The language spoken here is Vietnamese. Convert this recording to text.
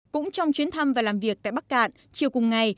cũng trong chuyến thăm và làm việc tại bắc cạn chiều cùng ngày